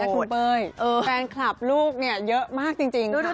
คุณเป้ยแฟนคลับลูกเนี่ยเยอะมากจริง